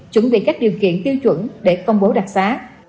chuẩn bị các điều kiện tiêu chuẩn để công bố đặc xá